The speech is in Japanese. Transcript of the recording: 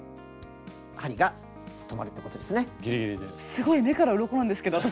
すごい目からうろこなんですけど私。